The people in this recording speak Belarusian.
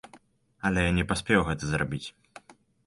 Але я не паспеў гэта зрабіць.